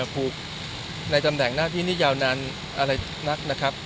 ผูกในตำแหน่งหน้าที่นี่ยาวนานอะไรนักนะครับ